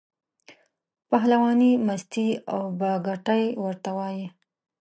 پهلوانۍ، مستۍ او بګتۍ ورته وایي.